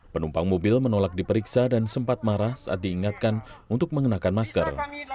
penumpang mobil menolak diperiksa dan sempat marah saat diingatkan untuk mengenakan masker